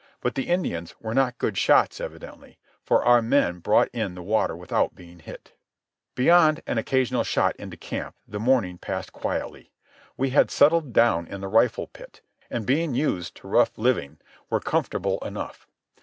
But the Indians were not good shots, evidently, for our men brought in the water without being hit. Beyond an occasional shot into camp the morning passed quietly. We had settled down in the rifle pit, and, being used to rough living, were comfortable enough.